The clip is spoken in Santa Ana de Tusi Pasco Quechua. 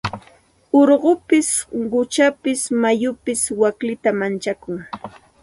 Urqupis quchapis mayupis waklita manchakun.